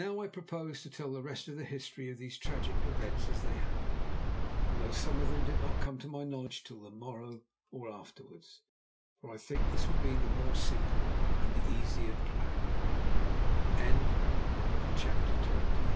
Now I propose to tell the rest of the history of these tragic events as they happened, although some of them did not come to my knowledge till the morrow or afterwards, for I think this will be the more simple and the easier